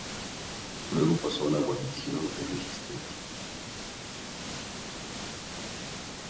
Luego pasó a la guarnición de Resistencia.